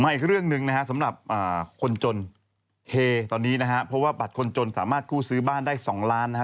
อีกเรื่องหนึ่งนะฮะสำหรับคนจนเฮตอนนี้นะฮะเพราะว่าบัตรคนจนสามารถกู้ซื้อบ้านได้๒ล้านนะฮะ